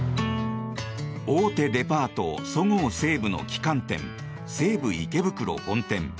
大手デパートそごう・西武の旗艦店西武池袋本店。